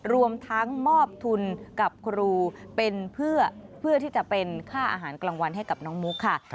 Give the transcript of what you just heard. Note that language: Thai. รวมทั้งมอบทุนกับครูเป็นเพื่อที่จะเป็นค่าอาหารกลางวันให้กับน้องมุกค่ะ